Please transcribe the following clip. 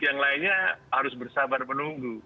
yang lainnya harus bersabar menunggu